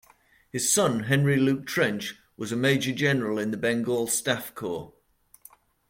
His son Henry Luke Trench was a Major-General in the Bengal Staff Corps.